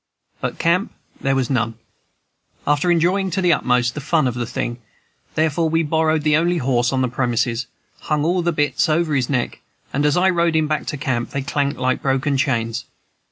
But camp there was none. After enjoying to the utmost the fun of the thing, therefore, we borrowed the only horse on the premises, hung all the bits over his neck, and as I rode him back to camp, they clanked like broken chains.